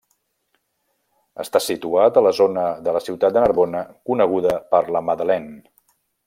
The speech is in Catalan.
Està situat a la zona de la ciutat de Narbona coneguda per La Madeleine.